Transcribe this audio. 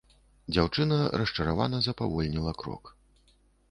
Дзяўчына расчаравана запавольніла крок.